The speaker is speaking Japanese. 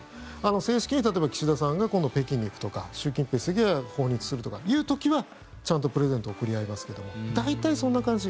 正式に例えば岸田さんが今度北京に行くとか習近平主席が訪日するとかという時はちゃんとプレゼントを贈り合いますけども大体そんな感じ。